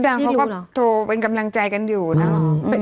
เขาก็โทรเป็นกำลังใจกันอยู่เนอะ